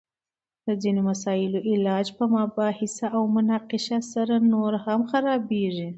د ځینو مسائلو علاج په مباحثه او مناقشه سره نور هم خرابیږي!